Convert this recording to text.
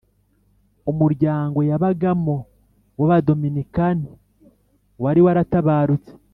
umuryango yabagamo w’abadominikani, wari waratabarutse